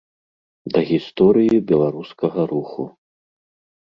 Да гісторыі беларускага руху.